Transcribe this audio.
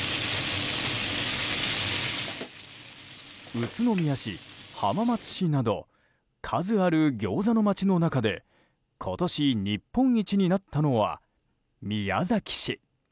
宇都宮市、浜松市など数あるギョーザの街の中で今年、日本一になったのは宮崎市。